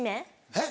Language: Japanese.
えっ？